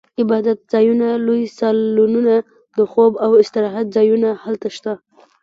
عبادتځایونه، لوی سالونونه، د خوب او استراحت ځایونه هلته شته.